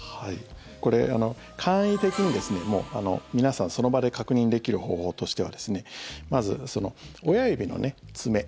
これ、簡易的に皆さんその場で確認できる方法としてはまず親指の爪。